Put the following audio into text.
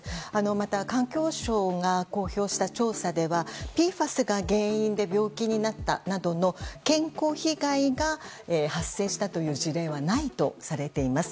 また、環境省が公表した調査ではＰＦＡＳが原因で病気になったなどの健康被害が発生したという事例はないとされています。